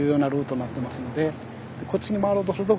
こっちに回ろうとすると。